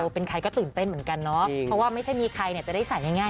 เพราะว่ามากับช้าง